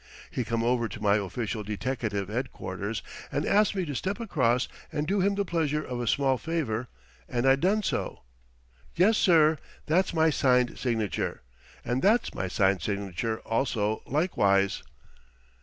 He come over to my official deteckative headquarters and asked me to step across and do him the pleasure of a small favor and I done so. Yes, sir, that's my signed signature. And that's my signed signature also likewise."